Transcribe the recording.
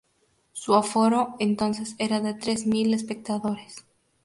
Su aforo entonces era de tres mil espectadores.